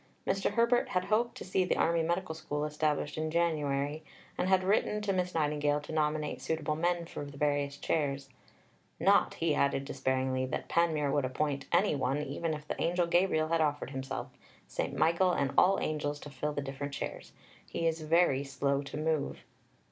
Mr. Herbert had hoped to see the Army Medical School established in January, and had written to Miss Nightingale to nominate suitable men for the various chairs "not," he added despairingly, "that Panmure would appoint any one even if the Angel Gabriel had offered himself, St. Michael and all angels to fill the different chairs. He is very slow to move."